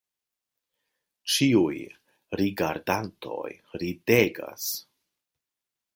Ĉiuj rigardantoj ridegas.